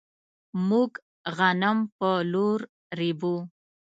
موږ غنم په لور ريبو.